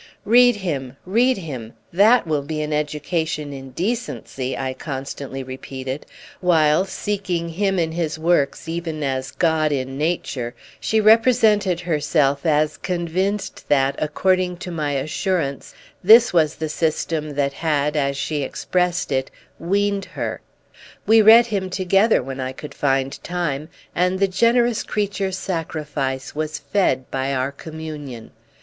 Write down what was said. "Read him, read him—that will be an education in decency," I constantly repeated; while, seeking him in his works even as God in nature, she represented herself as convinced that, according to my assurance, this was the system that had, as she expressed it, weaned her. We read him together when I could find time, and the generous creature's sacrifice was fed by our communion.